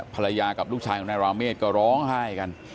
ภรรยากับลูกชายของนายราเมฆก็ร้องไห้กัน